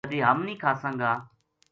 کدے ہم نیہہ کھاساں گا